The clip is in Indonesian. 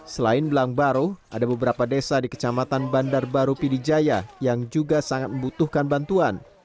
selain blang baru ada beberapa desa di kecamatan banda baru pdjaya yang juga sangat membutuhkan bantuan